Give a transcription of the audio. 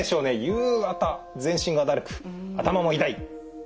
夕方全身がだるく頭も痛い。